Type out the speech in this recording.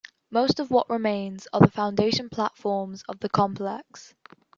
Most of what remains are the foundation platforms of the complex.